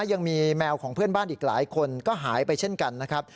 ยังมีแมวของเพื่อนบ้านอีกหลายคนก็หายไปเช่นกันนะครับ